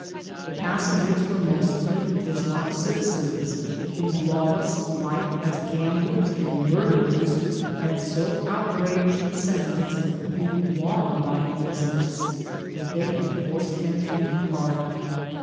The passengers were mostly Bismarck citizens, whose lawless life as gam blers and murderers had so outraged the sentiments of the few law abiding residents that they had forced them to depart.